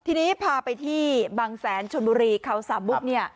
ทีนี้พาไปที่บางแสนชนบุรีเขาสามบุ๊กเนี่ย